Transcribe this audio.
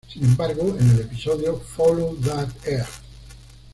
Sin embargo, en el episodio "Follow that egg!